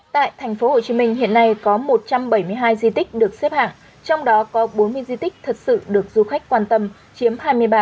tại thành phố hồ chí minh hiện nay có một trăm bảy mươi hai di tích được xếp hạng trong đó có bốn mươi di tích thật sự được du khách quan tâm chiếm hai mươi ba